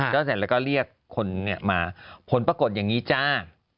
แล้วก็เรียกคนเนี่ยมาผลปรากฏอย่างนี้จ้า